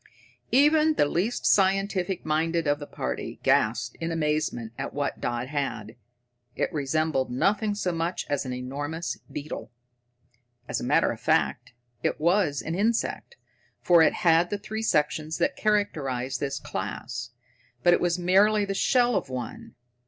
Even the least scientific minded of the party gasped in amazement at what Dodd had. It resembled nothing so much as an enormous beetle. As a matter of fact, it was an insect, for it had the three sections that characterize this class, but it was merely the shell of one.